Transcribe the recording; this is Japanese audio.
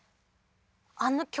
あの曲